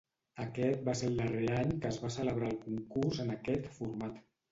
Aquest va ser el darrer any que es va celebrar el concurs en aquest format.